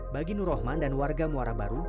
bagi nur rahman dan warga muara baru